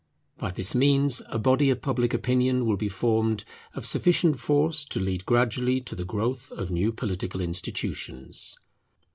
By this means a body of public opinion will be formed of sufficient force to lead gradually to the growth of new political institutions.